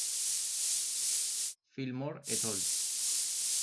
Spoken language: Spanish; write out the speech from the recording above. Fillmore et al.